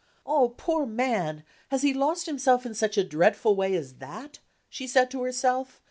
"Oh, poor man, has he lost himself in such a dreadful way as that?" she said to herself.